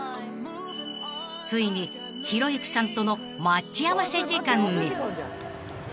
ついにひろゆきさんとの待ち合わせ時間に］